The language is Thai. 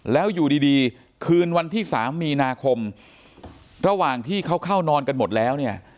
แล้วอยู่ดีคืนวันที่๓มีนาคมระหว่างที่เขาเข้านอนกันหมดแล้วเนี่ย